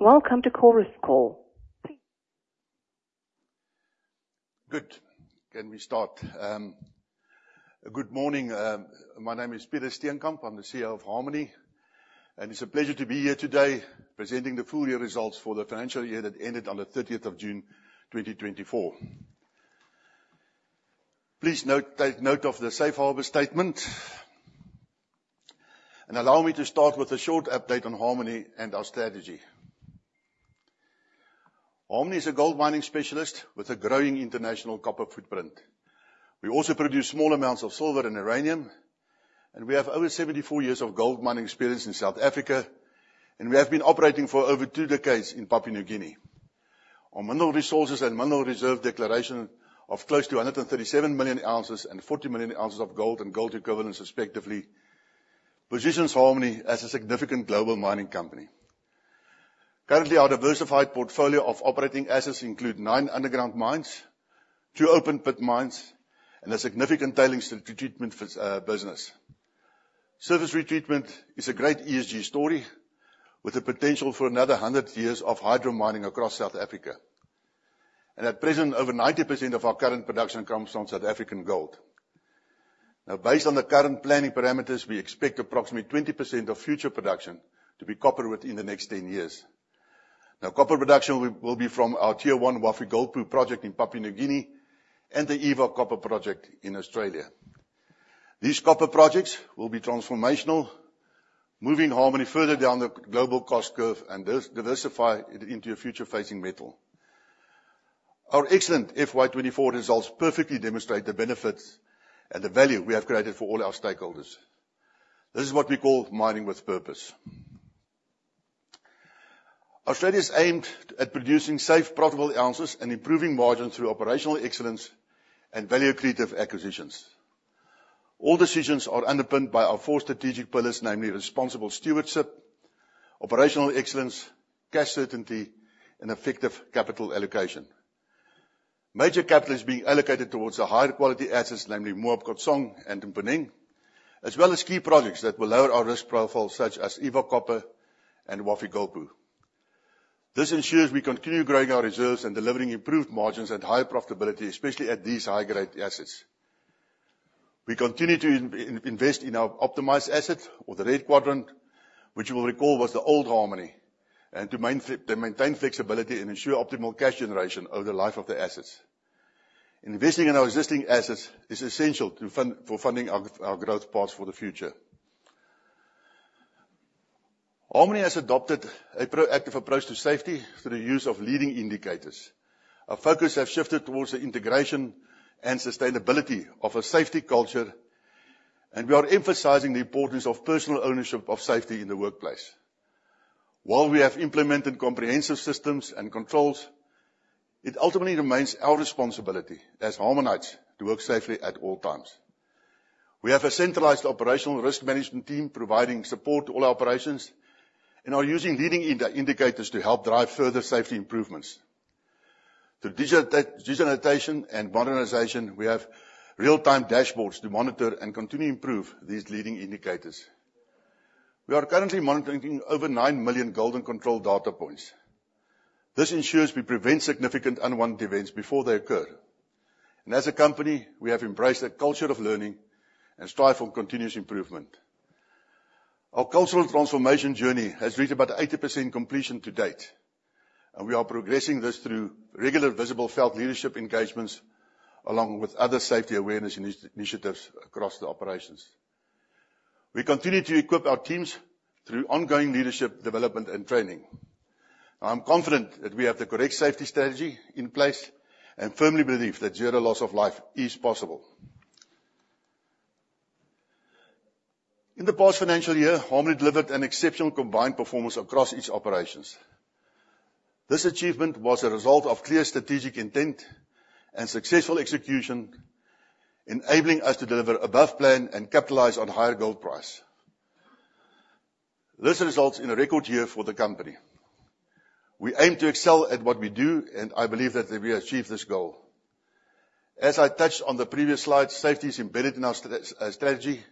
Welcome to Chorus Call. Good. Can we start? Good morning. My name is Peter Steenkamp. I'm the CEO of Harmony, and it's a pleasure to be here today presenting the full year results for the financial year that ended on the thirtieth of June, 2024. Please note, take note of the safe harbor statement, and allow me to start with a short update on Harmony and our strategy. Harmony is a gold mining specialist with a growing international copper footprint. We also produce small amounts of silver and uranium, and we have over 74 years of gold mining experience in South Africa, and we have been operating for over two decades in Papua New Guinea. Our mineral resources and mineral reserve declaration of close to 137 million ounces and 40 million ounces of gold and gold equivalents, respectively, positions Harmony as a significant global mining company. Currently, our diversified portfolio of operating assets include nine underground mines, two open pit mines, and a significant tailings treatment business. Surface retreatment is a great ESG story, with the potential for another 100 years of hydro mining across South Africa. At present, over 90% of our current production comes from South African gold. Now, based on the current planning parameters, we expect approximately 20% of future production to be copper within the next 10 years. Now, copper production will be from our tier one Wafi-Golpu project in Papua New Guinea and the Eva Copper Project in Australia. These copper projects will be transformational, moving Harmony further down the global cost curve and diversify it into a future-facing metal. Our excellent FY 2024 results perfectly demonstrate the benefits and the value we have created for all our stakeholders. This is what we call mining with purpose. Our strategy is aimed at producing safe, profitable ounces and improving margins through operational excellence and value accretive acquisitions. All decisions are underpinned by our four strategic pillars, namely responsible stewardship, operational excellence, cash certainty, and effective capital allocation. Major capital is being allocated towards the higher quality assets, namely Moab and Mponeng, as well as key projects that will lower our risk profile, such as Eva Copper and Wafi-Golpu. This ensures we continue growing our reserves and delivering improved margins and higher profitability, especially at these high-grade assets. We continue to invest in our optimized assets or the red quadrant, which you will recall was the old Harmony, and to maintain flexibility and ensure optimal cash generation over the life of the assets. Investing in our existing assets is essential for funding our growth paths for the future. Harmony has adopted a proactive approach to safety through the use of leading indicators. Our focus has shifted toward the integration and sustainability of a safety culture, and we are emphasizing the importance of personal ownership of safety in the workplace. While we have implemented comprehensive systems and controls, it ultimately remains our responsibility as Harmonites to work safely at all times. We have a centralized operational risk management team providing support to all operations and are using leading indicators to help drive further safety improvements. Through digitization and modernization, we have real-time dashboards to monitor and continue to improve these leading indicators. We are currently monitoring over nine million grade and control data points. This ensures we prevent significant unwanted events before they occur. As a company, we have embraced a culture of learning and strive for continuous improvement. Our cultural transformation journey has reached about 80% completion to date, and we are progressing this through regular visible felt leadership engagements, along with other safety awareness initiatives across the operations. We continue to equip our teams through ongoing leadership development and training. I'm confident that we have the correct safety strategy in place and firmly believe that zero loss of life is possible. In the past financial year, Harmony delivered an exceptional combined performance across each operations. This achievement was a result of clear strategic intent and successful execution, enabling us to deliver above plan and capitalize on higher gold price. This results in a record year for the company. We aim to excel at what we do, and I believe that we achieved this goal. As I touched on the previous slide, safety is embedded in our strategy,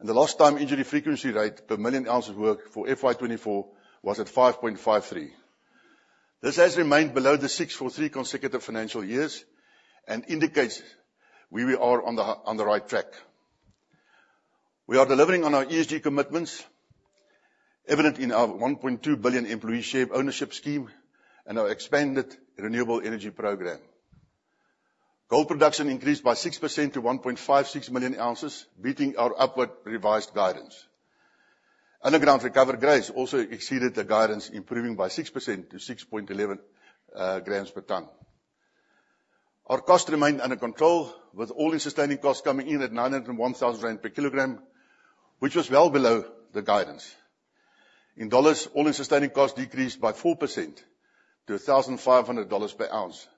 and the lost time injury frequency rate per million ounces worked for FY 2024 was at 5.53. This has remained below the six for three consecutive financial years and indicates we are on the right track. We are delivering on our ESG commitments, evident in our 1.2 billion employee share ownership scheme and our expanded renewable energy program. Gold production increased by 6% to 1.56 million ounces, beating our upward revised guidance. Underground recovery grades also exceeded the guidance, improving by 6% to 6.11 grams per ton. Our costs remained under control, with all-in sustaining costs coming in at 901,000 rand per kilogram, which was well below the guidance. In dollars, all-in sustaining costs decreased by 4% to $1,500 per ounce,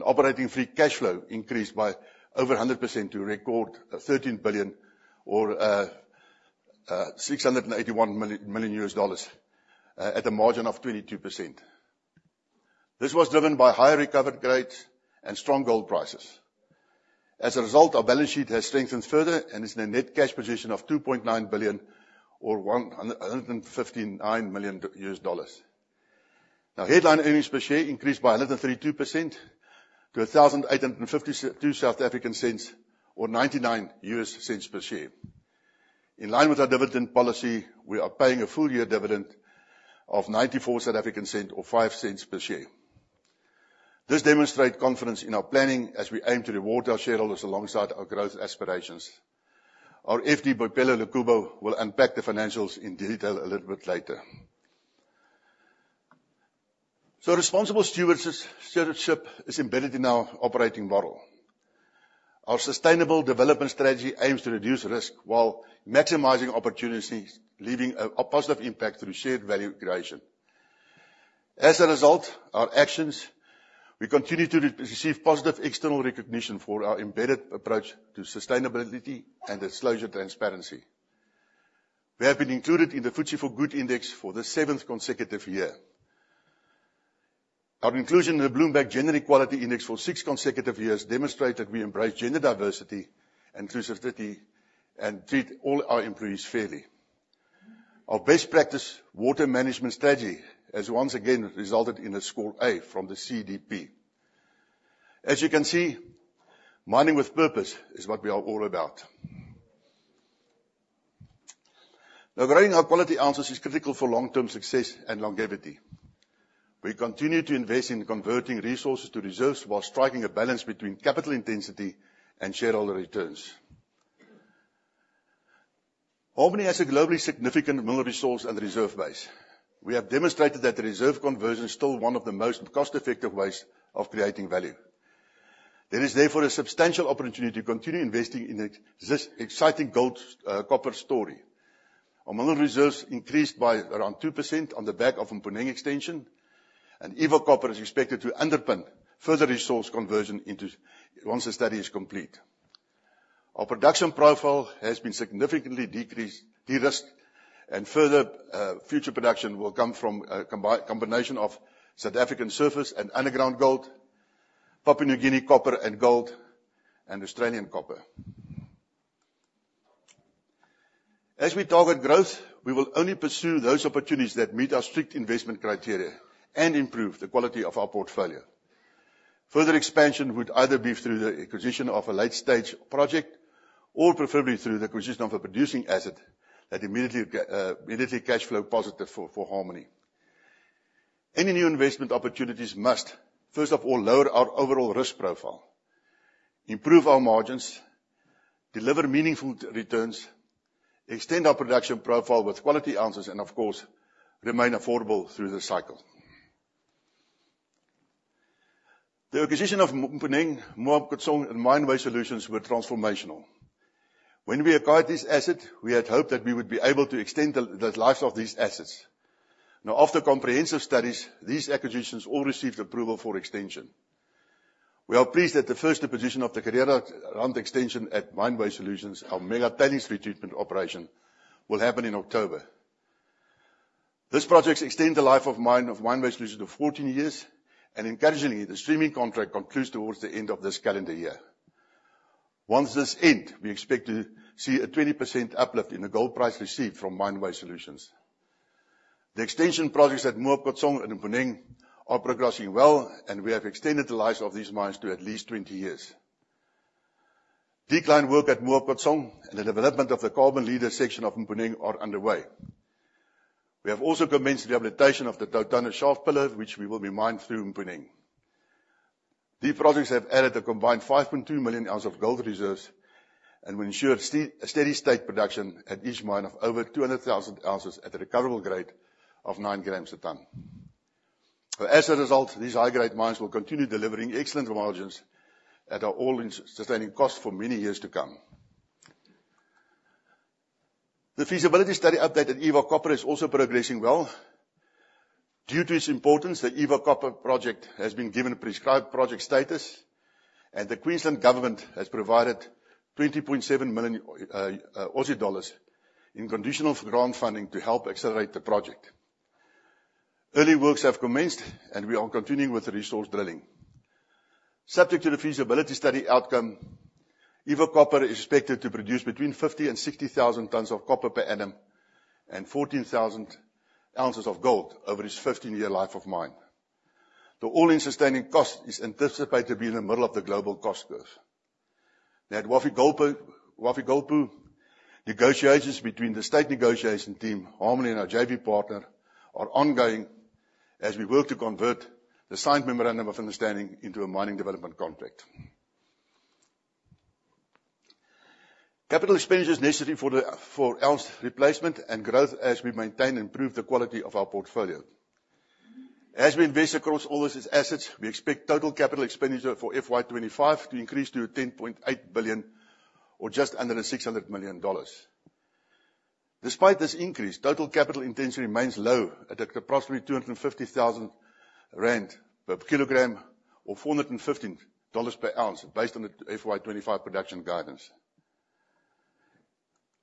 and operating free cash flow increased by over 100% to a record of 13 billion or $681 million, at a margin of 22%. This was driven by higher recovered grades and strong gold prices. As a result, our balance sheet has strengthened further and is in a net cash position of 2.9 billion or $159 million. Now, headline earnings per share increased by 132% to ZAR 18.52 or $0.99 per share. In line with our dividend policy, we are paying a full-year dividend of 0.94 or $0.05 per share. This demonstrate confidence in our planning as we aim to reward our shareholders alongside our growth aspirations. Our FD, Boipelo Lekubo, will unpack the financials in detail a little bit later, so responsible stewardship is embedded in our operating model. Our sustainable development strategy aims to reduce risk while maximizing opportunities, leaving a positive impact through shared value creation. As a result, our actions, we continue to receive positive external recognition for our embedded approach to sustainability and disclosure transparency. We have been included in the FTSE4Good Index for the seventh consecutive year. Our inclusion in the Bloomberg Gender Equality Index for six consecutive years demonstrate that we embrace gender diversity, inclusivity, and treat all our employees fairly. Our best practice water management strategy has once again resulted in a score A from the CDP. As you can see, mining with purpose is what we are all about. Now, growing our quality ounces is critical for long-term success and longevity. We continue to invest in converting resources to reserves while striking a balance between capital intensity and shareholder returns. Harmony has a globally significant mineral resource and reserve base. We have demonstrated that the reserve conversion is still one of the most cost-effective ways of creating value. There is, therefore, a substantial opportunity to continue investing in this exciting gold, copper story. Our mineral reserves increased by around 2% on the back of Mponeng extension, and Eva Copper is expected to underpin further resource conversion into reserves once the study is complete. Our production profile has been significantly decreased, de-risked, and further, future production will come from a combination of South African surface and underground gold, Papua New Guinea copper and gold, and Australian copper. As we target growth, we will only pursue those opportunities that meet our strict investment criteria and improve the quality of our portfolio. Further expansion would either be through the acquisition of a late-stage project or preferably through the acquisition of a producing asset that immediately gets cash flow positive for Harmony. Any new investment opportunities must, first of all, lower our overall risk profile, improve our margins, deliver meaningful returns, extend our production profile with quality ounces, and of course, remain affordable through the cycle. The acquisition of Mponeng, Moab Khutsong, and Mine Waste Solutions were transformational. When we acquired this asset, we had hoped that we would be able to extend the lives of these assets. Now, after comprehensive studies, these acquisitions all received approval for extension. We are pleased that the first acquisition of the Kareerand expansion at Mine Waste Solutions, our mega tailings treatment operation, will happen in October. This project's extend the life of mine, of Mine Waste Solutions to 14 years, and encouragingly, the streaming contract concludes towards the end of this calendar year. Once this end, we expect to see a 20% uplift in the gold price received from Mine Waste Solutions. The extension projects at Moab Khutsong and Mponeng are progressing well, and we have extended the lives of these mines to at least 20 years. Decline work at Moab Khutsong and the development of the Carbon Leader section of Mponeng are underway. We have also commenced the rehabilitation of the TauTona shaft pillar, which we will be mined through Mponeng. These projects have added a combined 5.2 million ounces of gold reserves, and will ensure a steady state production at each mine of over 200,000 ounces at a recoverable grade of 9 grams a ton. As a result, these high-grade mines will continue delivering excellent margins at our all-in sustaining cost for many years to come. The feasibility study update at Eva Copper is also progressing well. Due to its importance, the Eva Copper Project has been given Prescribed Project status, and the Queensland government has provided 20.7 million Aussie dollars in conditional grant funding to help accelerate the project. Early works have commenced, and we are continuing with the resource drilling. Subject to the feasibility study outcome, Eva Copper is expected to produce between 50 and 60 thousand tons of copper per annum, and 14,000 ounces of gold over its 15-year life of mine. The all-in sustaining cost is anticipated to be in the middle of the global cost curve. At Wafi-Golpu, negotiations between the State Negotiation Team, Harmony and our JV partner, are ongoing as we work to convert the signed memorandum of understanding into a Mining Development Contract. Capital expenditures necessary for ounce replacement and growth as we maintain and improve the quality of our portfolio. As we invest across all these assets, we expect total capital expenditure for FY 2025 to increase to 10.8 billion, or just under $600 million. Despite this increase, total capital intensity remains low at approximately 250,000 rand per kilogram or $415 per ounce, based on the FY 2025 production guidance.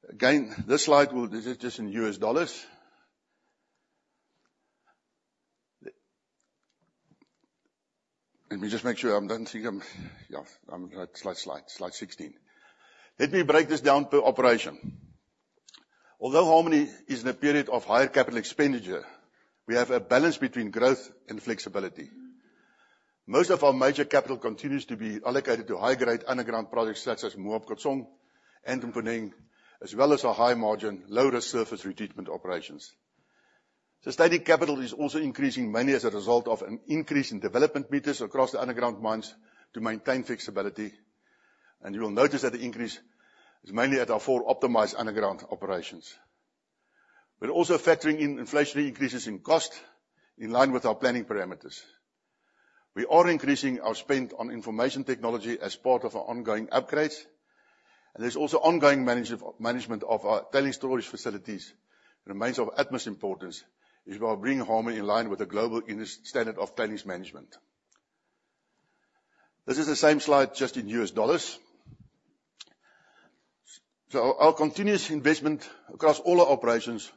Let me break this down per operation. Although Harmony is in a period of higher capital expenditure, we have a balance between growth and flexibility. Most of our major capital continues to be allocated to high-grade underground projects such as Moab Khutsong and Mponeng, as well as our high margin, low-risk surface retreatment operations. Sustaining capital is also increasing mainly as a result of an increase in development meters across the underground mines to maintain flexibility, and you will notice that the increase is mainly at our four optimized underground operations. We're also factoring in inflationary increases in cost, in line with our planning parameters. We are increasing our spend on information technology as part of our ongoing upgrades, and there's also ongoing management of our tailings storage facilities. It remains of utmost importance while bringing Harmony in line with the global industry standard of tailings management. This is the same slide, just in U.S. dollars. So our continuous investment across all our operations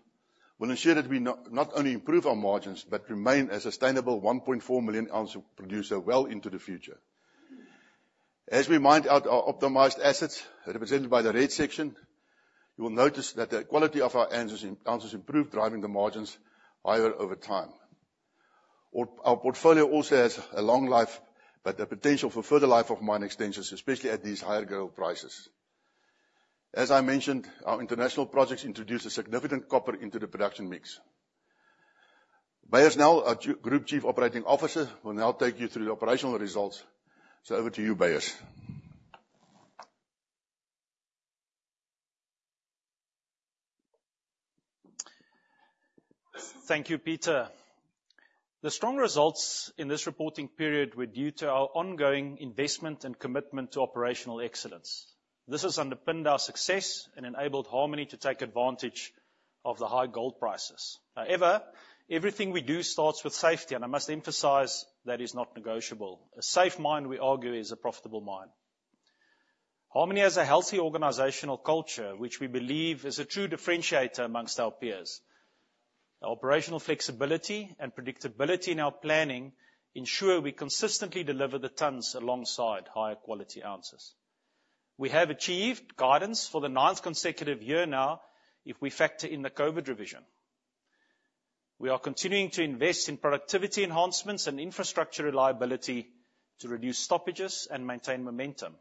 will ensure that we not only improve our margins, but remain a sustainable 1.4 million ounce producer well into the future. As we mine out our optimized assets, represented by the red section, you will notice that the quality of our ounces improve, driving the margins higher over time. Our portfolio also has a long life, but the potential for further life of mine extensions, especially at these higher gold prices. As I mentioned, our international projects introduce a significant copper into the production mix. Beyers Nel, our Group Chief Operating Officer, will now take you through the operational results. Over to you, Beyers. Thank you, Peter. The strong results in this reporting period were due to our ongoing investment and commitment to operational excellence. This has underpinned our success and enabled Harmony to take advantage of the high gold prices. However, everything we do starts with safety, and I must emphasize that is not negotiable. A safe mine, we argue, is a profitable mine. Harmony has a healthy organizational culture, which we believe is a true differentiator among our peers. Our operational flexibility and predictability in our planning ensure we consistently deliver the tons alongside higher quality ounces. We have achieved guidance for the ninth consecutive year now, if we factor in the COVID revision. We are continuing to invest in productivity enhancements and infrastructure reliability to reduce stoppages and maintain momentum.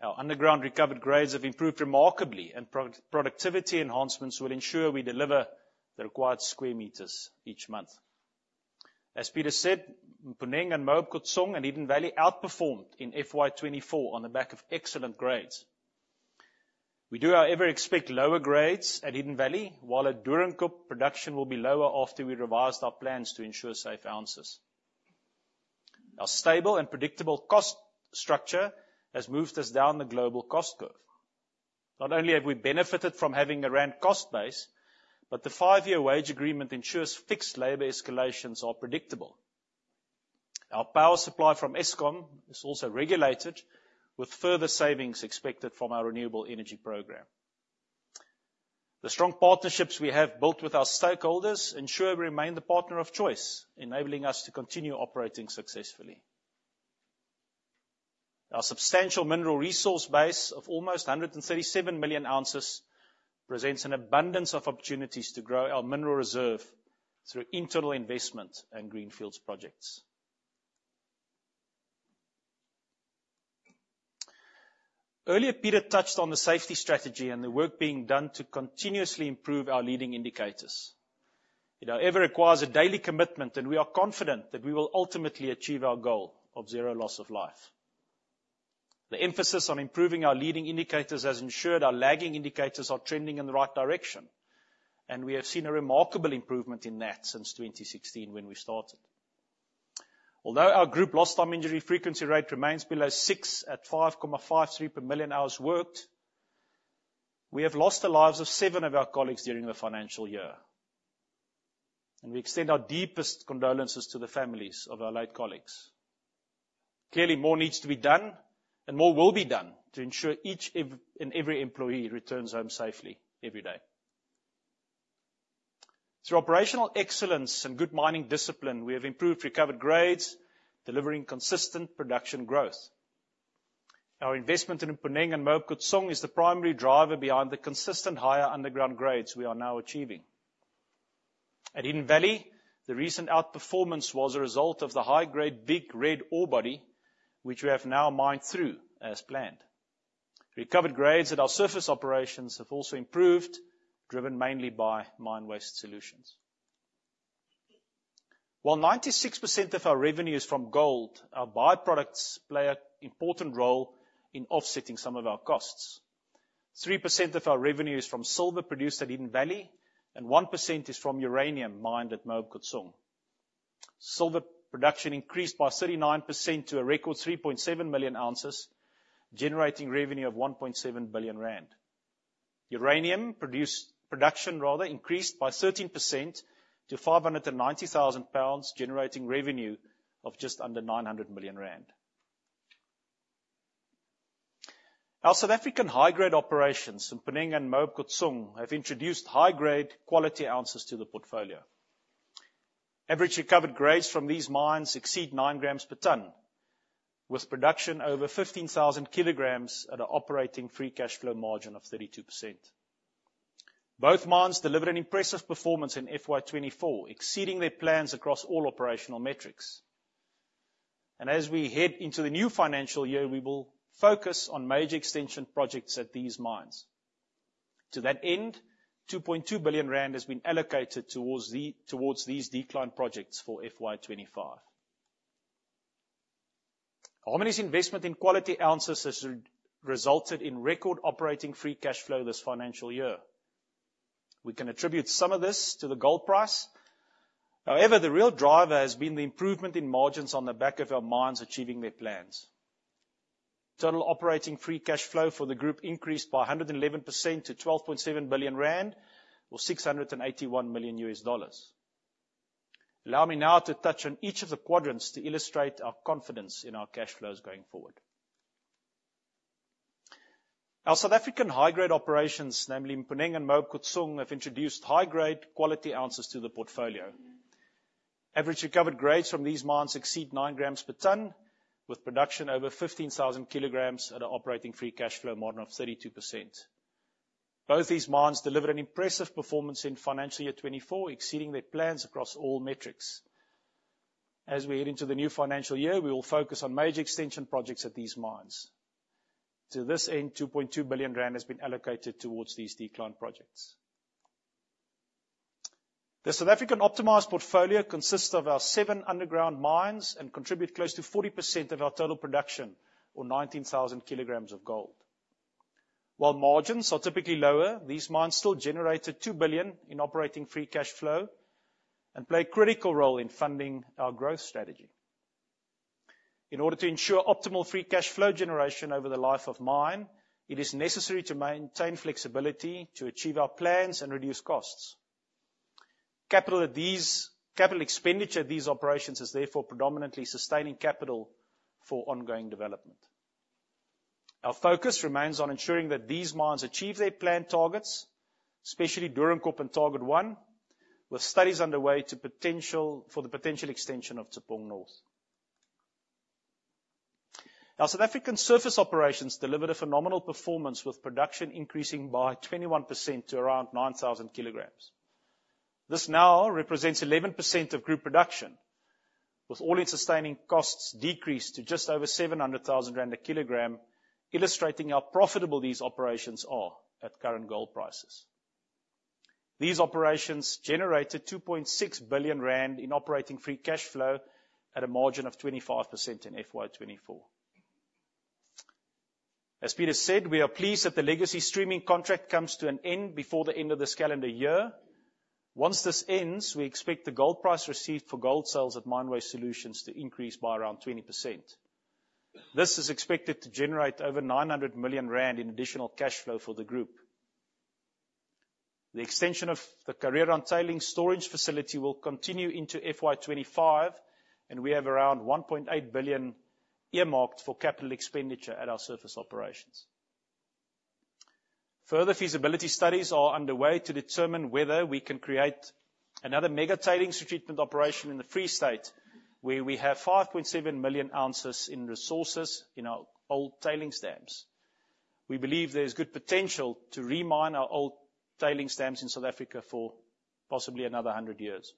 Our underground recovered grades have improved remarkably, and productivity enhancements will ensure we deliver the required square meters each month. As Peter said, Mponeng and Moab Khutsong and Hidden Valley outperformed in FY 2024 on the back of excellent grades. We do, however, expect lower grades at Hidden Valley, while at Doornkop, production will be lower after we revised our plans to ensure safe ounces. Our stable and predictable cost structure has moved us down the global cost curve. Not only have we benefited from having a rand cost base, but the five-year wage agreement ensures fixed labor escalations are predictable. Our power supply from Eskom is also regulated, with further savings expected from our renewable energy program. The strong partnerships we have built with our stakeholders ensure we remain the partner of choice, enabling us to continue operating successfully. Our substantial mineral resource base of almost 137 million ounces presents an abundance of opportunities to grow our mineral reserve through internal investment and greenfields projects. Earlier, Peter touched on the safety strategy and the work being done to continuously improve our leading indicators. It however requires a daily commitment, and we are confident that we will ultimately achieve our goal of zero loss of life. The emphasis on improving our leading indicators has ensured our lagging indicators are trending in the right direction, and we have seen a remarkable improvement in that since 2016, when we started. Although our group lost time injury frequency rate remains below six, at 5.53 per million hours worked, we have lost the lives of seven of our colleagues during the financial year, and we extend our deepest condolences to the families of our late colleagues. Clearly, more needs to be done, and more will be done to ensure each and every employee returns home safely every day. Through operational excellence and good mining discipline, we have improved recovered grades, delivering consistent production growth. Our investment in Mponeng and Moab Khutsong is the primary driver behind the consistent higher underground grades we are now achieving. At Hidden Valley, the recent outperformance was a result of the high-grade Big Red ore body, which we have now mined through as planned. Recovered grades at our surface operations have also improved, driven mainly by Mine Waste Solutions. While 96% of our revenue is from gold, our byproducts play an important role in offsetting some of our costs. 3% of our revenue is from silver produced at Hidden Valley, and 1% is from uranium mined at Moab Khutsong. Silver production increased by 39% to a record 3.7 million ounces, generating revenue of 1.7 billion rand. Uranium production, rather, increased by 13% to 590,000 pounds, generating revenue of just under 900 million rand. Our South African high-grade operations in Mponeng and Moab Khutsong have introduced high-grade quality ounces to the portfolio. Average recovered grades from these mines exceed 9 grams per ton, with production over 15,000 kilograms at an operating free cash flow margin of 32%. Both mines delivered an impressive performance in FY 2024, exceeding their plans across all operational metrics. And as we head into the new financial year, we will focus on major extension projects at these mines. To that end, 2.2 billion rand has been allocated towards these decline projects for FY 2025. Harmony's investment in quality ounces has resulted in record operating free cash flow this financial year. We can attribute some of this to the gold price, however, the real driver has been the improvement in margins on the back of our mines achieving their plans. Total operating free cash flow for the group increased by 111% to 12.7 billion rand, or $681 million. Allow me now to touch on each of the quadrants to illustrate our confidence in our cash flows going forward. Our South African high-grade operations, namely Mponeng and Moab Khutsong, have introduced high-grade quality ounces to the portfolio. Average recovered grades from these mines exceed nine grams per ton, with production over 15,000 kilograms at an operating free cash flow margin of 32%. Both these mines delivered an impressive performance in financial year 2024, exceeding their plans across all metrics. As we head into the new financial year, we will focus on major extension projects at these mines. To this end, 2.2 billion rand has been allocated towards these decline projects. The South African optimized portfolio consists of our seven underground mines and contribute close to 40% of our total production, or 19,000 kilograms of gold. While margins are typically lower, these mines still generated 2 billion in operating free cash flow and play a critical role in funding our growth strategy. In order to ensure optimal free cash flow generation over the life of mine, it is necessary to maintain flexibility to achieve our plans and reduce costs. Capital expenditure at these operations is therefore predominantly sustaining capital for ongoing development. Our focus remains on ensuring that these mines achieve their planned targets, especially Doornkop and Target 1, with studies underway to potential, for the potential extension of Tshepong North. Our South African surface operations delivered a phenomenal performance, with production increasing by 21% to around 9,000 kilograms. This now represents 11% of group production, with all-in sustaining costs decreased to just over 700,000 rand a kilogram, illustrating how profitable these operations are at current gold prices. These operations generated 2.6 billion rand in operating free cash flow at a margin of 25% in FY 2024. As Peter said, we are pleased that the legacy streaming contract comes to an end before the end of this calendar year. Once this ends, we expect the gold price received for gold sales at Mine Waste Solutions to increase by around 20%. This is expected to generate over 900 million rand in additional cash flow for the group. The extension of the Kareerand tailings storage facility will continue into FY 2025, and we have around 1.8 billion earmarked for capital expenditure at our surface operations. Further feasibility studies are underway to determine whether we can create another mega tailings treatment operation in the Free State, where we have 5.7 million ounces in resources in our old tailings dams. We believe there is good potential to re-mine our old tailings dams in South Africa for possibly another 100 years.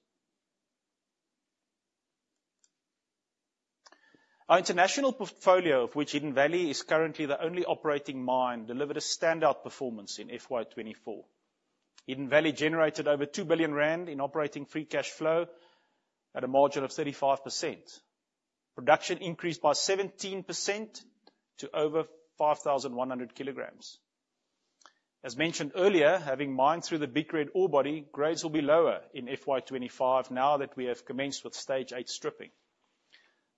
Our international portfolio, of which Hidden Valley is currently the only operating mine, delivered a standout performance in FY 2024. Hidden Valley generated over 2 billion rand in operating free cash flow at a margin of 35%. Production increased by 17% to over 5,100 kilograms. As mentioned earlier, having mined through the Big Red ore body, grades will be lower in FY 2025 now that we have commenced with stage 8 stripping.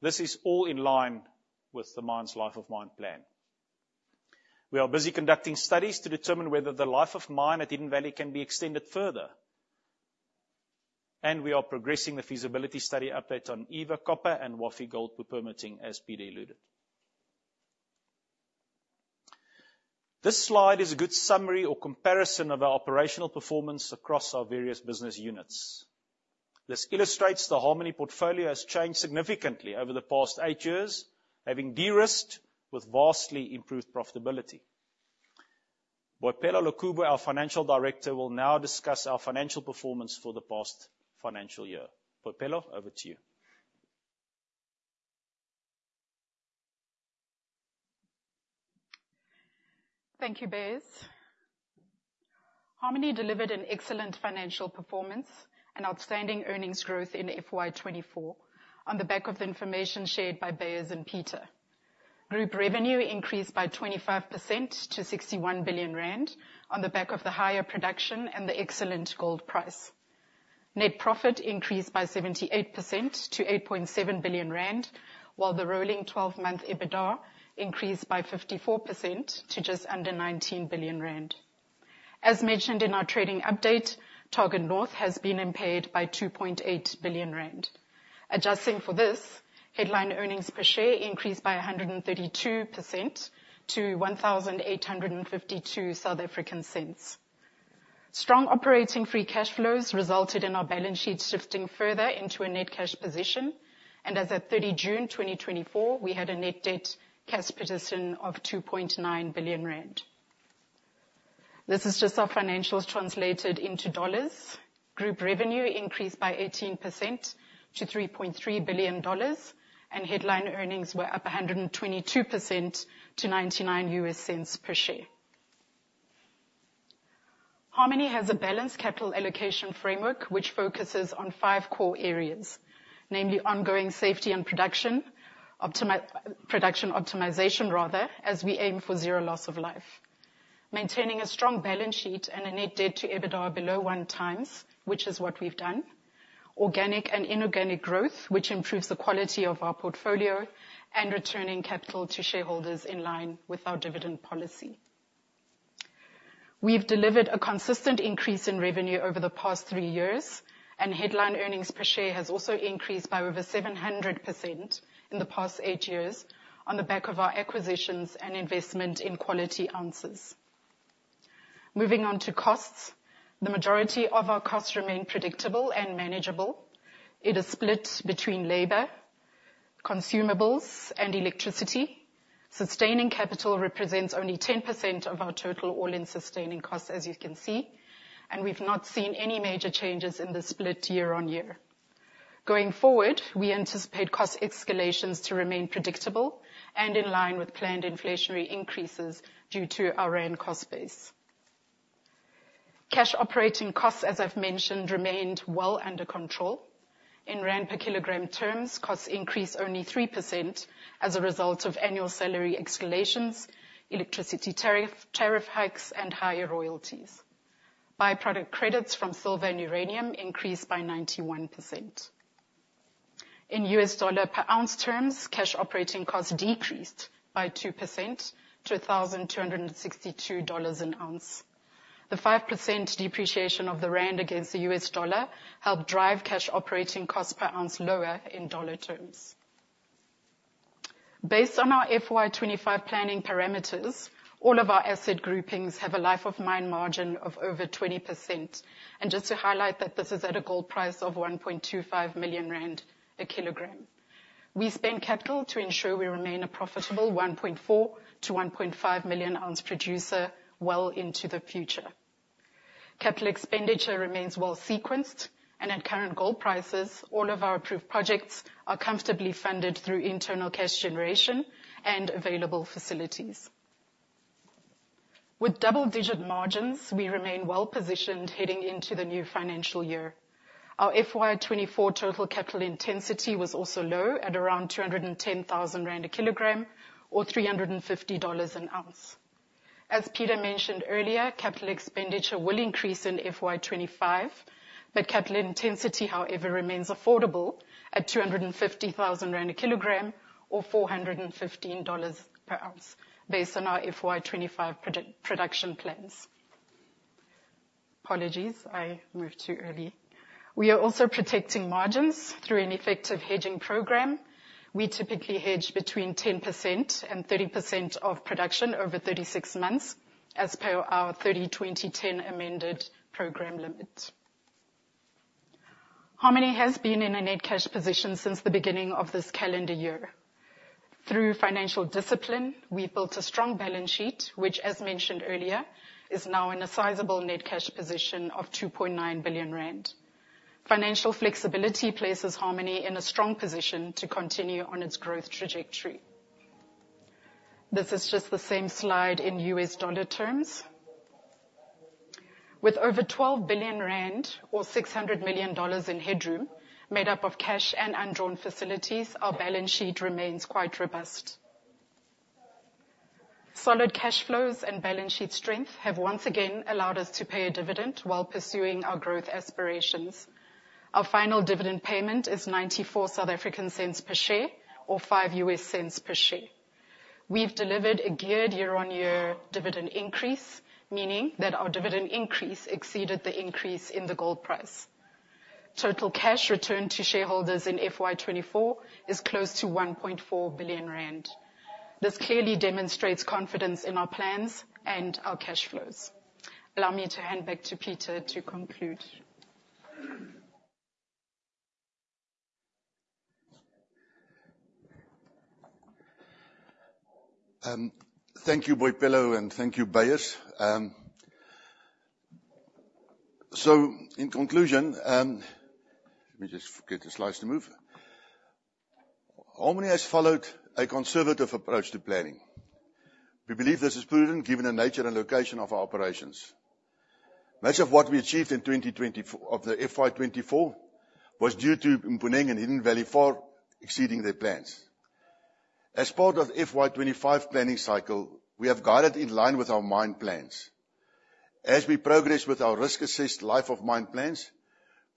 This is all in line with the mine's life of mine plan. We are busy conducting studies to determine whether the life of mine at Hidden Valley can be extended further, and we are progressing the feasibility study update on Eva Copper and Wafi-Golpu permitting, as Peter alluded. This slide is a good summary or comparison of our operational performance across our various business units. This illustrates the Harmony portfolio has changed significantly over the past 8 years, having de-risked with vastly improved profitability. Boipelo Lekubo, our Financial Director, will now discuss our financial performance for the past financial year. Boipelo, over to you. Thank you, Beyers. Harmony delivered an excellent financial performance and outstanding earnings growth in FY 2024 on the back of the information shared by Beyers and Peter. Group revenue increased by 25% to 61 billion rand on the back of the higher production and the excellent gold price. Net profit increased by 78% to 8.7 billion rand, while the rolling twelve-month EBITDA increased by 54% to just under 19 billion rand. As mentioned in our trading update, Target North has been impaired by 2.8 billion rand. Adjusting for this, headline earnings per share increased by 132% to 18.52. Strong operating free cash flows resulted in our balance sheet shifting further into a net cash position, and as at 30 June 2024, we had a net debt cash position of 2.9 billion rand. This is just our financials translated into dollars. Group revenue increased by 18% to $3.3 billion, and headline earnings were up 122% to $0.99 per share. Harmony has a balanced capital allocation framework, which focuses on five core areas, namely, ongoing safety and production optimization rather, as we aim for zero loss of life. Maintaining a strong balance sheet and a net debt to EBITDA below one times, which is what we've done. Organic and inorganic growth, which improves the quality of our portfolio, and returning capital to shareholders in line with our dividend policy. We've delivered a consistent increase in revenue over the past three years, and headline earnings per share has also increased by over 700% in the past eight years on the back of our acquisitions and investment in quality ounces. Moving on to costs. The majority of our costs remain predictable and manageable. It is split between labor, consumables, and electricity. Sustaining capital represents only 10% of our total all-in sustaining costs, as you can see, and we've not seen any major changes in the split year-on-year. Going forward, we anticipate cost escalations to remain predictable and in line with planned inflationary increases due to our rand cost base. Cash operating costs, as I've mentioned, remained well under control. In rand per kilogram terms, costs increased only 3% as a result of annual salary escalations, electricity tariff, tariff hikes, and higher royalties. Byproduct credits from silver and uranium increased by 91%. In U.S. dollar per ounce terms, cash operating costs decreased by 2% to $1,262 an ounce. The 5% depreciation of the rand against the U.S. dollar helped drive cash operating costs per ounce lower in $ terms. Based on our FY 2025 planning parameters, all of our asset groupings have a life of mine margin of over 20%, and just to highlight that this is at a gold price of 1.25 million rand a kilogram. We spend capital to ensure we remain a profitable 1.4-1.5 million ounce producer well into the future. Capital expenditure remains well sequenced, and at current gold prices, all of our approved projects are comfortably funded through internal cash generation and available facilities. With double-digit margins, we remain well-positioned heading into the new financial year. Our FY 2024 total capital intensity was also low, at around 210,000 rand a kilogram or $350 an ounce. As Peter mentioned earlier, capital expenditure will increase in FY 2025, but capital intensity, however, remains affordable at 250,000 rand a kilogram or $415 per ounce, based on our FY 2025 production plans. Apologies, I moved too early. We are also protecting margins through an effective hedging program. We typically hedge between 10% and 30% of production over 36 months, as per our 30-20-10 amended program limit. Harmony has been in a net cash position since the beginning of this calendar year. Through financial discipline, we built a strong balance sheet, which, as mentioned earlier, is now in a sizable net cash position of 2.9 billion rand. Financial flexibility places Harmony in a strong position to continue on its growth trajectory. This is just the same slide in U.S. dollar terms. With over 12 billion rand or $600 million in headroom, made up of cash and undrawn facilities, our balance sheet remains quite robust. Solid cash flows and balance sheet strength have once again allowed us to pay a dividend while pursuing our growth aspirations. Our final dividend payment is 0.94 per share or $0.05 per share. We've delivered a geared year-on-year dividend increase, meaning that our dividend increase exceeded the increase in the gold price. Total cash returned to shareholders in FY 2024 is close to 1.4 billion rand. This clearly demonstrates confidence in our plans and our cash flows. Allow me to hand back to Peter to conclude. Thank you, Boipelo, and thank you, Beyers. So in conclusion, let me just get the slides to move. Harmony has followed a conservative approach to planning. We believe this is prudent, given the nature and location of our operations. Much of what we achieved in FY 2024 was due to Mponeng and Hidden Valley far exceeding their plans. As part of FY 2025 planning cycle, we have guided in line with our mine plans. As we progress with our risk-assessed life of mine plans,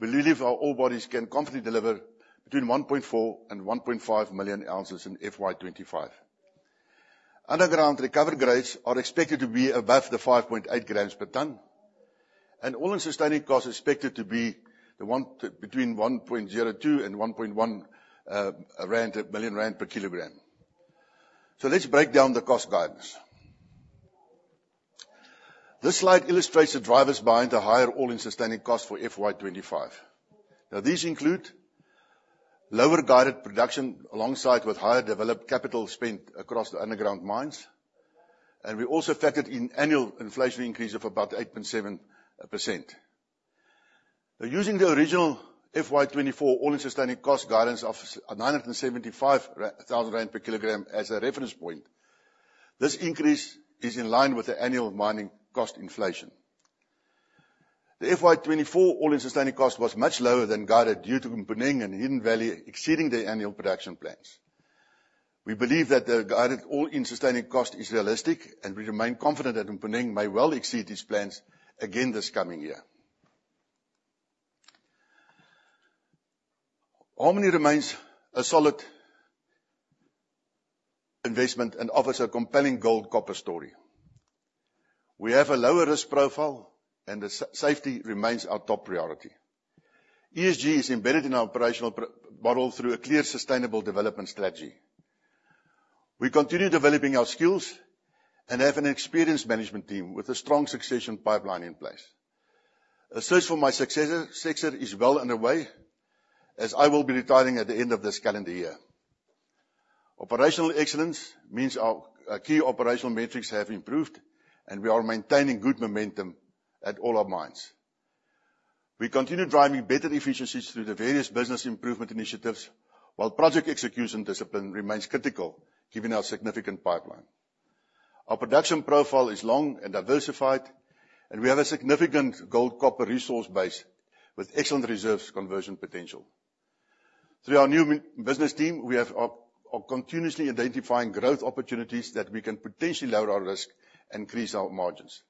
we believe our ore bodies can comfortably deliver between 1.4 and 1.5 million ounces in FY 2025. Underground recovery grades are expected to be above 5.8 grams per ton, and all-in sustaining costs are expected to be between 1.02 and 1.1 million rand per kilogram. Let's break down the cost guidance. This slide illustrates the drivers behind the higher all-in sustaining cost for FY 2025. These include lower guided production alongside with higher developed capital spend across the underground mines, and we also factored in annual inflation increase of about 8.7%. By using the original FY 2024 all-in sustaining cost guidance of 975 thousand rand per kilogram as a reference point, this increase is in line with the annual mining cost inflation. The FY 2024 all-in sustaining cost was much lower than guided, due to Mponeng and Hidden Valley exceeding their annual production plans. We believe that the guided all-in sustaining cost is realistic, and we remain confident that Mponeng may well exceed these plans again this coming year. Harmony remains a solid investment and offers a compelling gold, copper story. We have a lower risk profile, and the safety remains our top priority. ESG is embedded in our operational model through a clear, sustainable development strategy. We continue developing our skills and have an experienced management team with a strong succession pipeline in place. A search for my successor is well underway, as I will be retiring at the end of this calendar year. Operational excellence means our key operational metrics have improved, and we are maintaining good momentum at all our mines. We continue driving better efficiencies through the various business improvement initiatives, while project execution discipline remains critical, given our significant pipeline. Our production profile is long and diversified, and we have a significant gold, copper resource base with excellent reserves conversion potential. Through our new mining business team, we are continuously identifying growth opportunities that we can potentially lower our risk and increase our margins.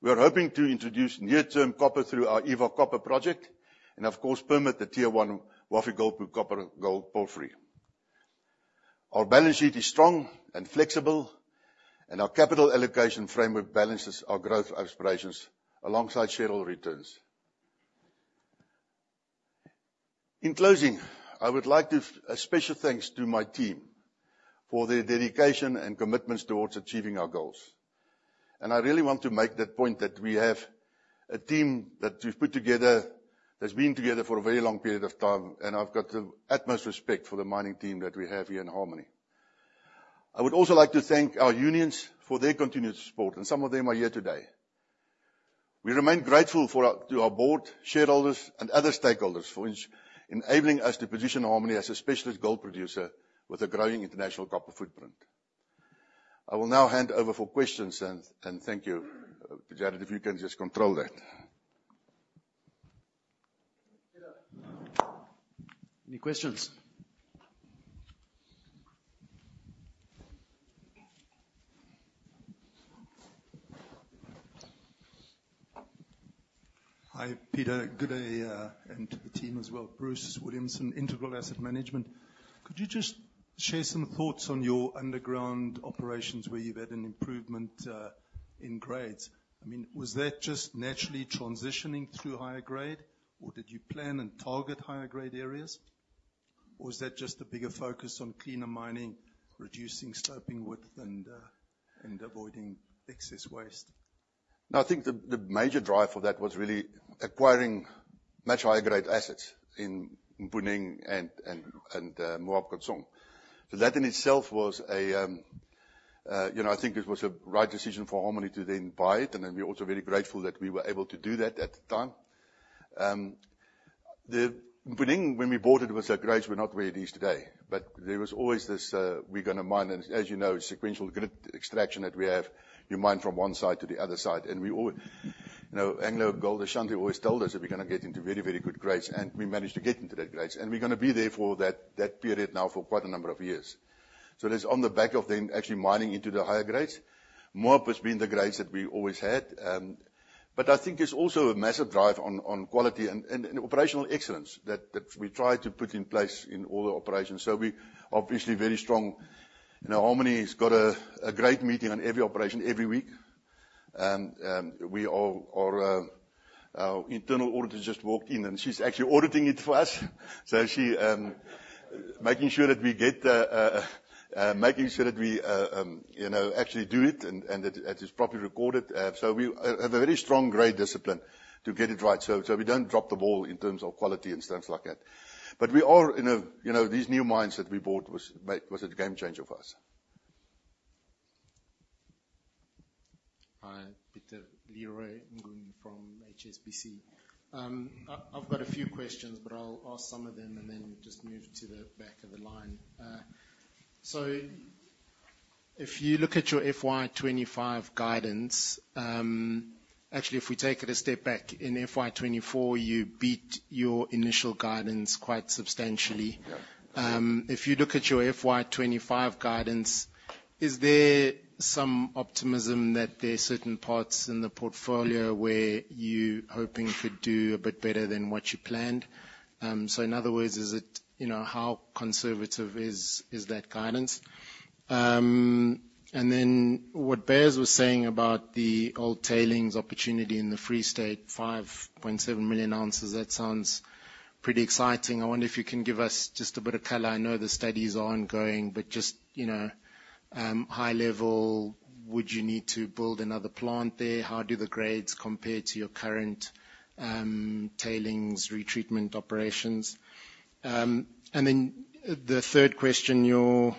We are hoping to introduce near-term copper through our Eva Copper Project and, of course, permit the tier one Wafi-Golpu copper-gold porphyry. Our balance sheet is strong and flexible, and our capital allocation framework balances our growth aspirations alongside shareholder returns. In closing, I would like to give a special thanks to my team for their dedication and commitments toward achieving our goals. And I really want to make that point, that we have a team that we've put together, that's been together for a very long period of time, and I've got the utmost respect for the mining team that we have here in Harmony. I would also like to thank our unions for their continued support, and some of them are here today. We remain grateful to our board, shareholders, and other stakeholders for enabling us to position Harmony as a specialist gold producer with a growing international copper footprint. I will now hand over for questions, and thank you. Jared, if you can just control that. Any questions? Hi, Peter. Good day, and to the team as well. Bruce Williamson, Integral Asset Management. Could you just share some thoughts on your underground operations, where you've had an improvement in grades? I mean, was that just naturally transitioning to higher grade, or did you plan and target higher grade areas, or was that just a bigger focus on cleaner mining, reducing stoping width and avoiding excess waste? No, I think the major drive for that was really acquiring much higher grade assets in Mponeng and Moab Khutsong. So that in itself was, you know, I think it was a right decision for Harmony to then buy it, and then we're also very grateful that we were able to do that at the time. The Mponeng, when we bought it, was, the grades were not where it is today. But there was always this, we're gonna mine, and as you know, sequential grid extraction that we have, you mine from one side to the other side. And we all, you know, AngloGold Ashanti always told us that we're gonna get into very, very good grades, and we managed to get into that grades. And we're gonna be there for that period now for quite a number of years. So it's on the back of them actually mining into the higher grades. Moab has had the grades that we always had. But I think there's also a massive drive on quality and operational excellence that we try to put in place in all the operations. So we're obviously very strong. You know, Harmony has got a great meeting on every operation, every week. And we have our internal auditor just walked in, and she's actually auditing it for us. So she's making sure that we actually do it, and that it's properly recorded. So we have a very strong grade discipline to get it right, so we don't drop the ball in terms of quality and things like that. But we are in a, you know, these new mines that we bought was like a game changer for us. Hi, Peter, Leroy Mnguni from HSBC. I've got a few questions, but I'll ask some of them, and then just move to the back of the line. So if you look at your FY 2025 guidance, actually, if we take it a step back, in FY 2024, you beat your initial guidance quite substantially. Yeah. If you look at your FY 2025 guidance, is there some optimism that there are certain parts in the portfolio where you're hoping to do a bit better than what you planned? So in other words, is it, you know, how conservative is that guidance? And then what Beyers was saying about the old tailings opportunity in the Free State, 5.7 million ounces, that sounds pretty exciting. I wonder if you can give us just a bit of color. I know the studies are ongoing, but just, you know, high level, would you need to build another plant there? How do the grades compare to your current tailings retreatment operations? And then the third question, your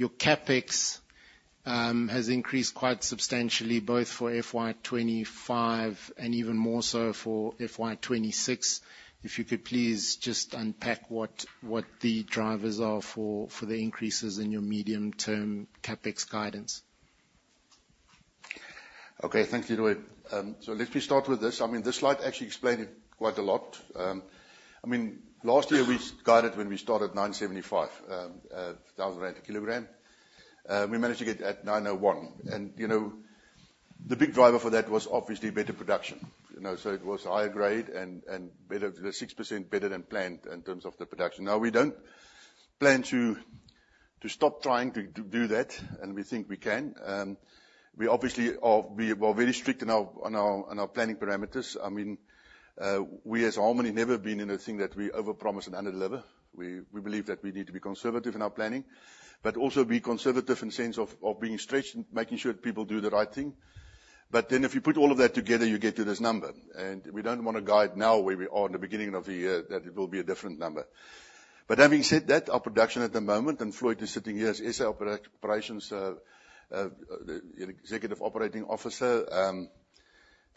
CapEx has increased quite substantially, both for FY 2025 and even more so for FY 2026. If you could please just unpack what the drivers are for the increases in your medium-term CapEx guidance? Okay, thank you, Leroy. So let me start with this. I mean, this slide actually explained it quite a lot. I mean, last year we guided when we started 975,000 kg. We managed to get at 901. And, you know, the big driver for that was obviously better production. You know, so it was higher grade and, and better, 6% better than planned in terms of the production. Now, we don't plan to stop trying to do that, and we think we can. We obviously are very strict on our planning parameters. I mean, we as Harmony never been in a thing that we overpromise and under-deliver. We believe that we need to be conservative in our planning, but also be conservative in the sense of being stretched, making sure people do the right thing. But then if you put all of that together, you get to this number, and we don't want to guide now, where we are in the beginning of the year, that it will be a different number. But having said that, our production at the moment, and Floyd is sitting here as operations executive operating officer,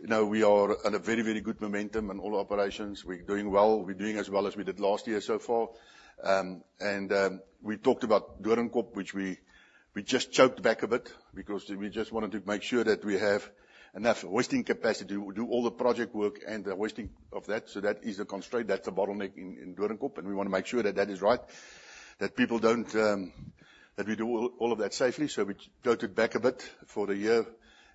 now we are at a very, very good momentum in all operations. We're doing well. We're doing as well as we did last year so far. And we talked about Doornkop, which we just choked back a bit because we just wanted to make sure that we have enough waste capacity. We do all the project work and the wasting of that, so that is a constraint, that's a bottleneck in Doornkop, and we want to make sure that that is right, that people don't. That we do all of that safely. So we choked it back a bit for the year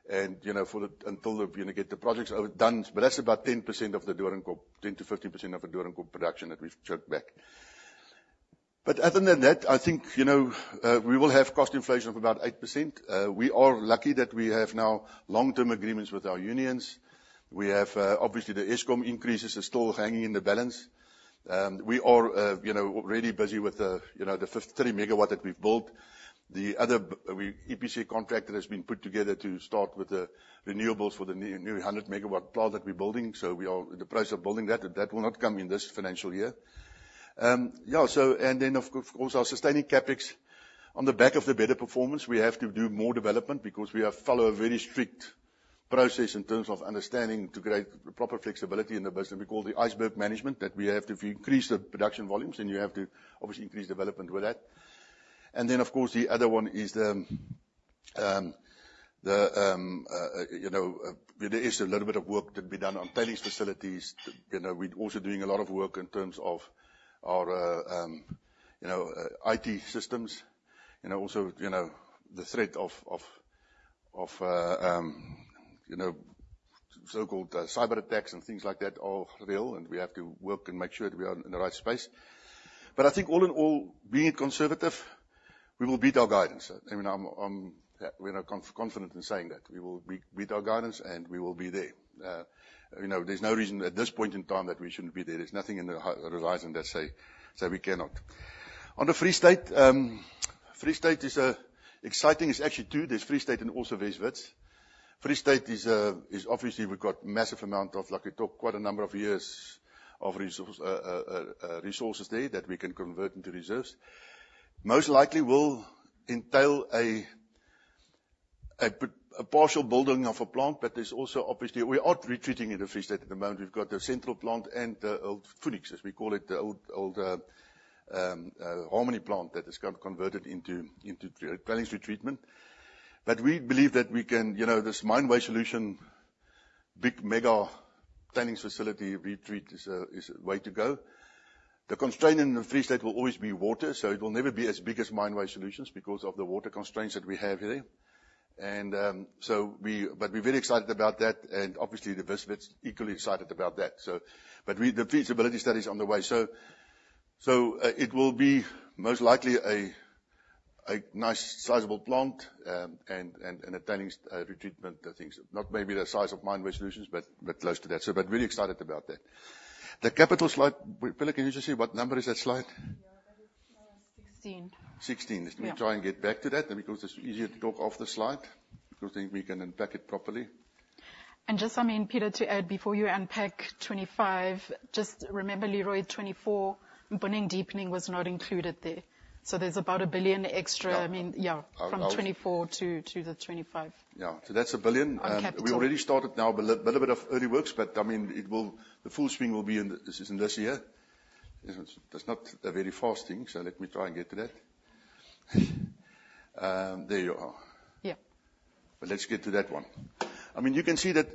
and, you know, until the, you know, get the projects over done. But that's about 10% of the Doornkop, 10-15% of the Doornkop production that we've choked back. But other than that, I think, you know, we will have cost inflation of about 8%. We are lucky that we have now long-term agreements with our unions. We have, obviously, the Eskom increases are still hanging in the balance. We are, you know, already busy with the, you know, the 53-MW that we've built. The other EPC contract that has been put together to start with the renewables for the new 100-MW plant that we're building. We are in the process of building that, and that will not come in this financial year. And then, of course, our sustaining CapEx on the back of the better performance, we have to do more development because we follow a very strict process in terms of understanding to create proper flexibility in the business. We call the iceberg management, that we have to increase the production volumes, and you have to obviously increase development with that. And then, of course, the other one is there is a little bit of work to be done on tailings facilities. You know, we're also doing a lot of work in terms of our, you know, IT systems, and also, you know, the threat of so-called cyberattacks and things like that are real, and we have to work and make sure that we are in the right space. But I think all in all, being conservative, we will beat our guidance. I mean, we are confident in saying that. We will beat our guidance, and we will be there. You know, there's no reason at this point in time that we shouldn't be there. There's nothing in the horizon that says we cannot. On the Free State, Free State is exciting. It's actually two, there's Free State and also West Wits. Free State is obviously we've got massive amount of like I talk quite a number of years of resource resources there that we can convert into reserves. Most likely will entail a partial building of a plant, but there's also obviously we are retreating in the Free State at the moment. We've got the Central Plant and the old Phoenix, as we call it, the old Harmony plant that is converted into tailings retreatment. But we believe that we can you know this Mine Waste Solutions big mega tailings facility retreat is the way to go. The constraint in the Free State will always be water, so it will never be as big as Mine Waste Solutions because of the water constraints that we have there. We're very excited about that, and obviously, the business is equally excited about that. But the feasibility study is on the way. It will be most likely a nice sizable plant, and a tailings retreatment things. Not maybe the size of Mine Waste Solutions, but close to that. Very excited about that. The capital slide, Boipelo, can you just see what number is that slide? Yeah, that is sixteen. Sixteen. Yeah. Let me try and get back to that, because it's easier to talk off the slide, because then we can unpack it properly. I mean, Peter, to add before you unpack 2025, just remember, Leroy, 2024 Mponeng deepening was not included there. So there's about 1 billion extra- Yeah. I mean, yeah, from 2024 to the 2025. Yeah. So that's a billion. On capital. We already started now, but a little bit of early works, but I mean, the full swing will be in, this is in this year. It's not a very fast thing, so let me try and get to that. There you are. Yeah. Let's get to that one. I mean, you can see that,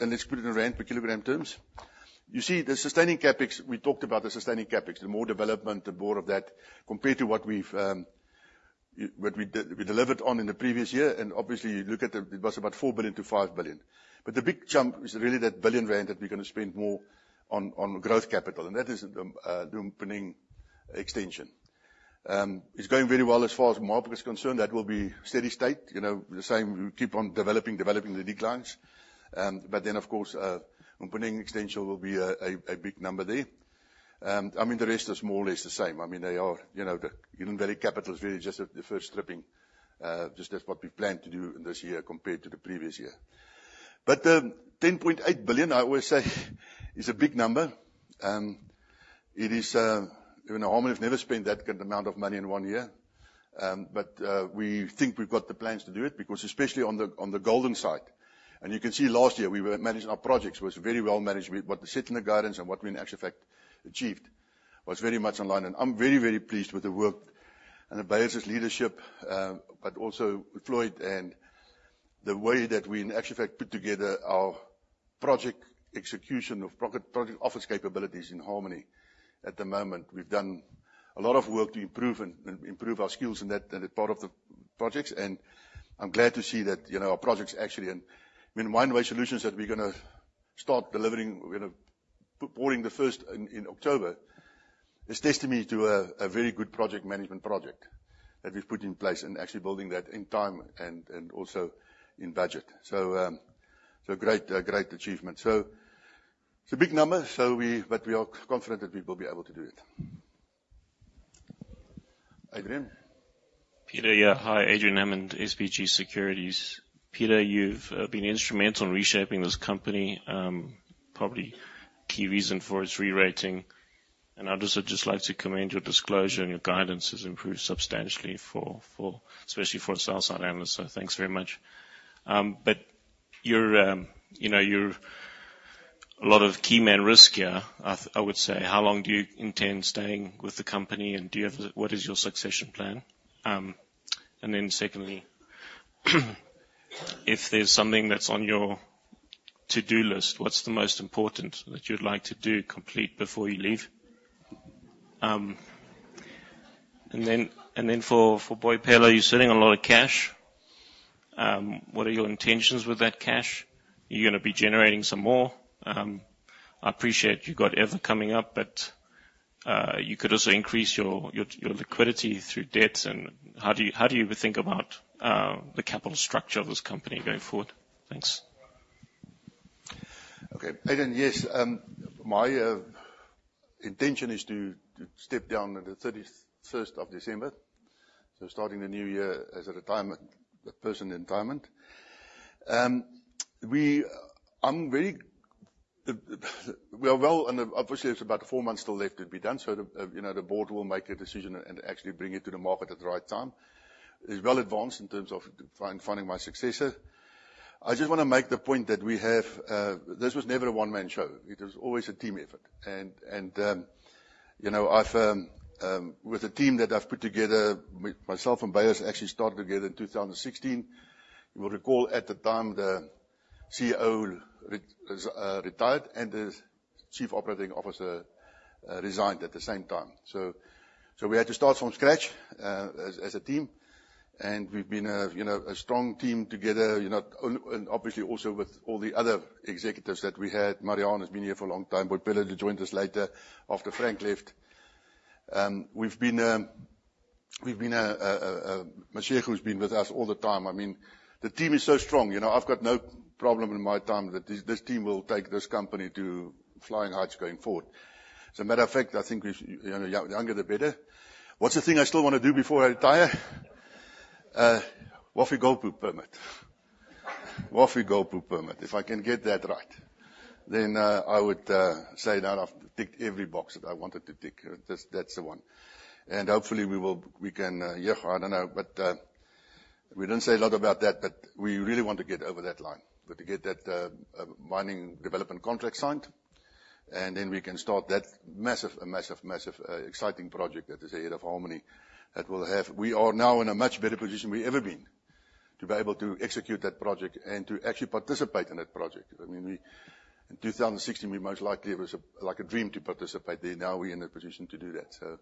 and let's put it in rand per kilogram terms. You see the sustaining CapEx, we talked about the sustaining CapEx, the more development, the more of that, compared to what we've, what we delivered on in the previous year. And obviously, you look at the- it was about 4 billion-5 billion. But the big jump is really that billion rand, that we're going to spend more on, on growth capital, and that is the, the Mponeng extension. It's going very well as far as the market is concerned. That will be steady state, you know, the same, we keep on developing, developing the declines. But then, of course, Mponeng extension will be a, a, a big number there. I mean, the rest is more or less the same. I mean, they are, you know, the Hidden Valley capital is really just at the first stripping, just as what we planned to do in this year compared to the previous year. But, 10.8 billion, I always say is a big number. It is, you know, Harmony has never spent that good amount of money in one year. But, we think we've got the plans to do it, because especially on the, on the golden side, and you can see last year, we were managing our projects, was very well managed. With what we set in the guidance and what we in actual fact achieved, was very much in line. And I'm very, very pleased with the work and Beyers' leadership, but also with Floyd, and the way that we in actual fact put together our project execution of project office capabilities in Harmony at the moment. We've done a lot of work to improve and improve our skills in that, in that part of the projects, and I'm glad to see that, you know, our projects actually. I mean, Mine Waste Solutions that we're gonna start delivering, we're gonna put boarding the first in October, is testimony to a very good project management project that we've put in place and actually building that in time and also in budget. So great, a great achievement. So it's a big number, but we are confident that we will be able to do it. Adrian? Peter, yeah, hi, Adrian Hammond, SBG Securities. Peter, you've been instrumental in reshaping this company, probably key reason for its re-rating. And I'd also just like to commend your disclosure and your guidance has improved substantially for, especially for the south side analysts, so thanks very much. But you're, you know, you're a lot of key man risk here, I would say. How long do you intend staying with the company, and do you have... What is your succession plan? And then secondly, if there's something that's on your to-do list, what's the most important that you'd like to do, complete before you leave? And then for Boipelo, you're sitting on a lot of cash. What are your intentions with that cash? You're gonna be generating some more. I appreciate you've got Eva coming up, but you could also increase your liquidity through debt and how do you think about the capital structure of this company going forward? Thanks. Okay. Adrian, yes, my intention is to step down on the thirty-first of December, so starting the new year as a retirement, a person in retirement. I'm very... We are well, and obviously, there's about four months still left to be done, so, you know, the board will make a decision and actually bring it to the market at the right time. It's well advanced in terms of finding my successor. I just wanna make the point that we have, this was never a one-man show. It was always a team effort. And, you know, I've with the team that I've put together, myself and Beyers actually started together in 2016. You will recall, at the time, the CEO retired and the Chief Operating Officer resigned at the same time. We had to start from scratch as a team, and we've been, you know, a strong team together. You know, and obviously also with all the other executives that we had. Marianne has been here for a long time, Boipelo joined us later after Frank left. Mashego who's been with us all the time. I mean, the team is so strong, you know. I've got no problem in my time that this team will take this company to flying heights going forward. As a matter of fact, I think, you know, the younger, the better. What's the thing I still wanna do before I retire? Wafi-Golpu mine permit. If I can get that right, then, I would say that I've ticked every box that I wanted to tick. That's, that's the one. And hopefully, we will, we can, I don't know, but, we didn't say a lot about that, but we really want to get over that line. But to get that, Mining Development Contract signed, and then we can start that massive, exciting project that is ahead of Harmony. That will have... We are now in a much better position we've ever been to be able to execute that project and to actually participate in that project. I mean, in 2016, we most likely, it was like a dream to participate there. Now, we're in a position to do that. So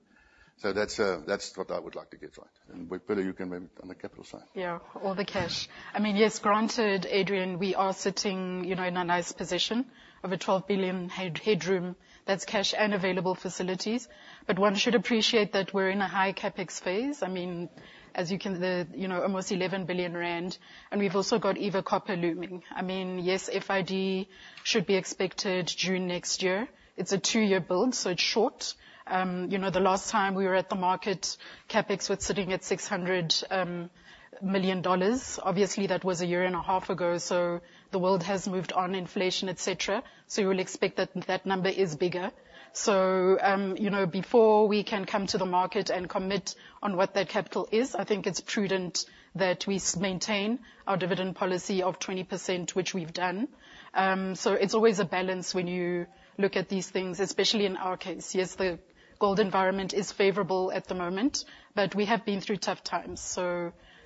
that's what I would like to get right. And Boipelo, you can maybe on the capital side. Yeah, all the cash. I mean, yes, granted, Adrian, we are sitting, you know, in a nice position of a 12 billion headroom, that's cash and available facilities, but one should appreciate that we're in a high CapEx phase. I mean, as you can, the, you know, almost 11 billion rand, and we've also got Eva Copper looming. I mean, yes, FID should be expected June next year. It's a two-year build, so it's short. You know, the last time we were at the market, CapEx was sitting at $600 million. Obviously, that was a year and a half ago, so the world has moved on, inflation, et cetera. So you will expect that, that number is bigger. You know, before we can come to the market and commit on what that capital is, I think it's prudent that we maintain our dividend policy of 20%, which we've done, so it's always a balance when you look at these things, especially in our case. Yes, the gold environment is favorable at the moment, but we have been through tough times, so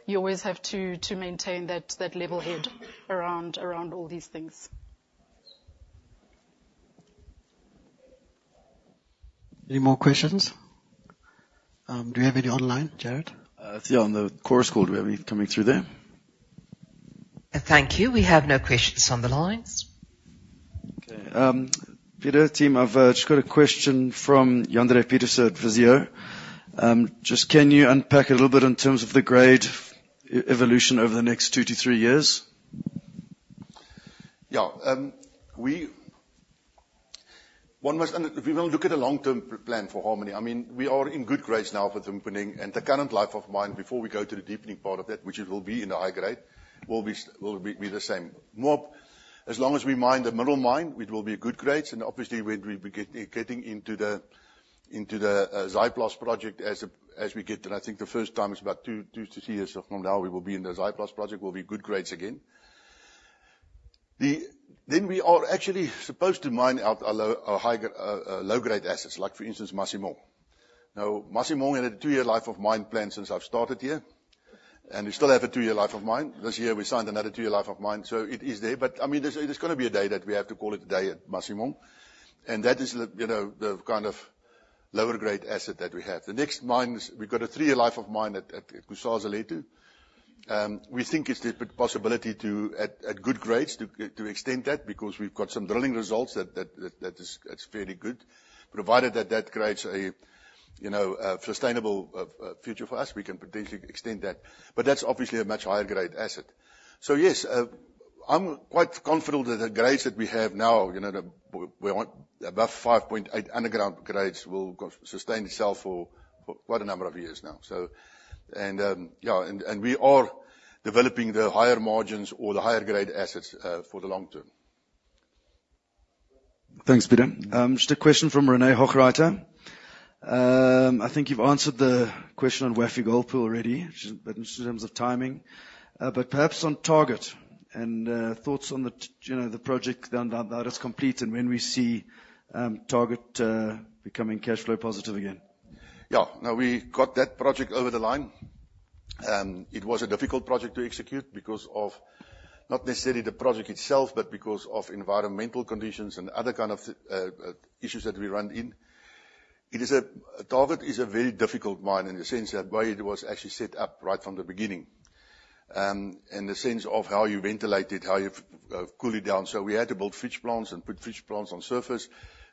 you always have to maintain that level head around all these things. Any more questions? Do you have any online, Jared? Yeah, on the Chorus Call, do we have any coming through there?... Thank you. We have no questions on the lines. Okay, Peter, team, I've just got a question from Yandré Pieterse at Visio. Just can you unpack a little bit in terms of the grade evolution over the next two to three years? Yeah, we one must understand if we want to look at the long-term plan for Harmony, I mean, we are in good grades now for the ongoing, and the current life of mine, before we go to the deepening part of that, which it will be in the high grade, will be the same. Moab, as long as we mine the Moab mine, it will be good grades, and obviously, when we get into the Zaaiplaats Project as we get, and I think the first time is about two to three years from now, we will be in the Zaaiplaats Project, will be good grades again. Then we are actually supposed to mine out our low, our high gr- low-grade assets, like, for instance, Masimong. Now, Masimong had a two-year life of mine plan since I've started here, and we still have a two-year life of mine. This year we signed another two-year life of mine, so it is there, but, I mean, there's gonna be a day that we have to call it a day at Masimong. And that is the, you know, the kind of lower grade asset that we have. The next mine is we've got a three-year life of mine at Kusasalethu. We think it's the possibility to, at good grades, to extend that, because we've got some drilling results that is very good. Provided that that creates a, you know, a sustainable future for us, we can potentially extend that. But that's obviously a much higher grade asset. So yes, I'm quite confident that the grades that we have now, you know, we're on above 5.8 underground grades will sustain itself for quite a number of years now. And yeah, we are developing the higher margins or the higher grade assets for the long term. Thanks, Peter. Just a question from René Hochreiter. I think you've answered the question on Wafi-Golpu already, just in terms of timing, but perhaps on Target and thoughts on the project, you know, now that it's complete, and when we see Target becoming cash flow positive again. Yeah. Now, we got that project over the line. It was a difficult project to execute because of not necessarily the project itself, but because of environmental conditions and other kind of issues that we ran into. It is a, Target is a very difficult mine in the sense that way it was actually set up right from the beginning, in the sense of how you ventilate it, how you cool it down. So we had to build fridge plants and put fridge plants on surface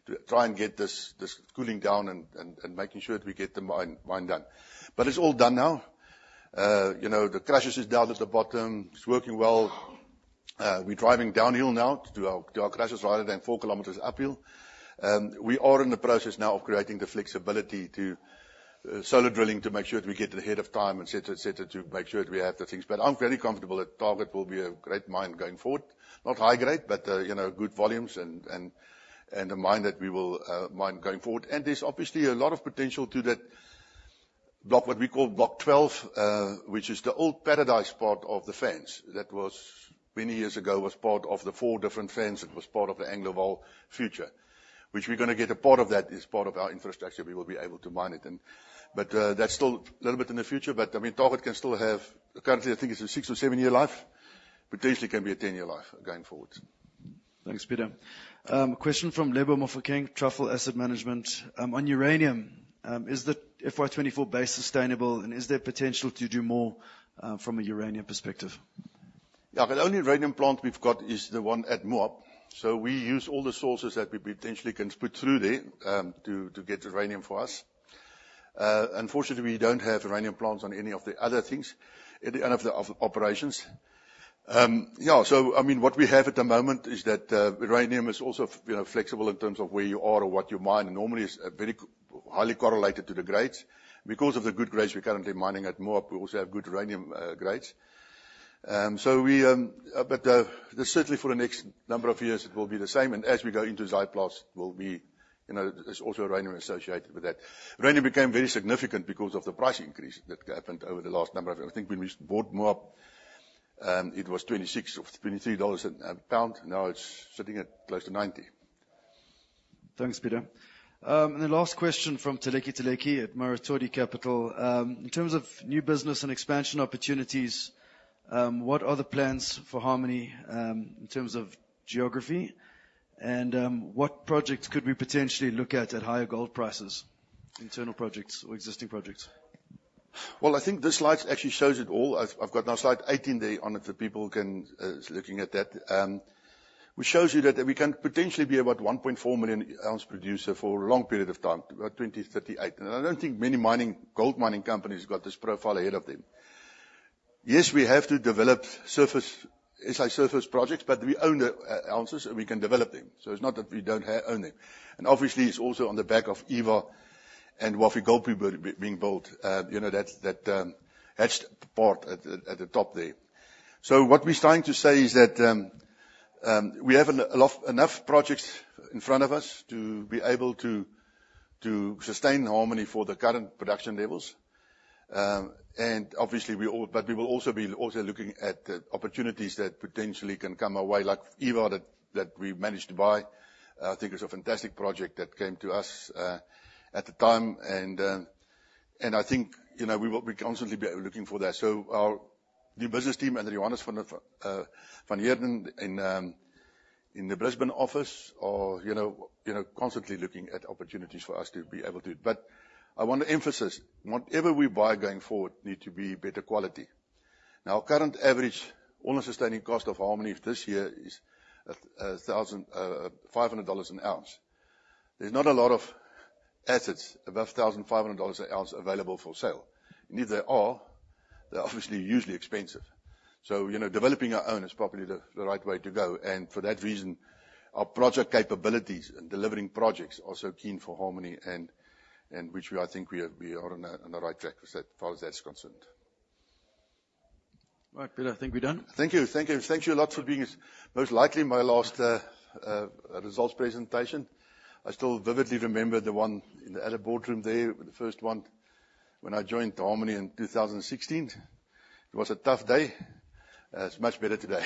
to try and get this cooling down and making sure that we get the mine done. But it's all done now. You know, the crushers is down at the bottom. It's working well. We're driving downhill now to do our crushers rather than four kilometers uphill. We are in the process now of creating the flexibility to stope drilling to make sure that we get ahead of time, et cetera, to make sure that we have the things. But I'm very comfortable that Target will be a great mine going forward. Not high grade, but you know, good volumes and a mine that we will mine going forward. And there's obviously a lot of potential to that block, what we call Block 12, which is the old Paradise part of the Vaal. That was, many years ago, part of the four different Vaal. It was part of the Anglovaal future, which we're gonna get a part of that as part of our infrastructure. We will be able to mine it and... But, that's still a little bit in the future, but, I mean, Target can still have, currently, I think it's a six or seven-year life, potentially can be a 10-year life going forward. Thanks, Peter. A question from Lebo Mofokeng, Truffle Asset Management. On uranium, is the FY 2024 base sustainable, and is there potential to do more, from a uranium perspective? Yeah, the only uranium plant we've got is the one at Moab, so we use all the sources that we potentially can put through there, to get uranium for us. Unfortunately, we don't have uranium plants on any of the other things, at the end of operations. Yeah, so, I mean, what we have at the moment is that, uranium is also, you know, flexible in terms of where you are or what you mine. Normally, it's very highly correlated to the grades. Because of the good grades we're currently mining at Moab, we also have good uranium grades. So we, but, just certainly for the next number of years, it will be the same, and as we go into Zaaiplaats, we'll be, you know, there's also uranium associated with that. Uranium became very significant because of the price increase that happened over the last number of... I think when we bought Moab, it was $26 or $23 a pound. Now, it's sitting at close to $90. Thanks, Peter. And the last question from Teleki Teleki at Mianzo Asset Management. In terms of new business and expansion opportunities, what are the plans for Harmony, in terms of geography? And, what projects could we potentially look at higher gold prices, internal projects or existing projects? I think this slide actually shows it all. I've got now slide 18 there on it for people who can looking at that. Which shows you that we can potentially be about 1.4 million ounce producer for a long period of time, about 2038. And I don't think many mining, gold mining companies have got this profile ahead of them. Yes, we have to develop surface. It's like surface projects, but we own the ounces, and we can develop them, so it's not that we don't own them. And obviously, it's also on the back of Eva and Wafi-Golpu being built. You know, that, that's the part at the top there. So what we're trying to say is that we have enough projects in front of us to be able to sustain Harmony for the current production levels. And obviously, but we will also be looking at the opportunities that potentially can come our way, like Eva, that we managed to buy. I think it's a fantastic project that came to us at the time, and I think, you know, we will constantly be looking for that. So our business team, and Johannes van Heerden in the Brisbane office, are, you know, constantly looking at opportunities for us to be able to. But I want to emphasize, whatever we buy going forward need to be better quality. Now, current average all sustaining cost of Harmony this year is $1,500 an ounce. There's not a lot of assets above $1,500 an ounce available for sale. And if there are, they're obviously usually expensive. So, you know, developing our own is probably the right way to go, and for that reason, our project capabilities and delivering projects are so key for Harmony, and which we, I think we are on the right track as far as that's concerned. All right, Peter, I think we're done. Thank you. Thank you. Thank you a lot for being... Most likely my last results presentation. I still vividly remember the one in the other boardroom there, the first one, when I joined Harmony in 2016. It was a tough day. It's much better today.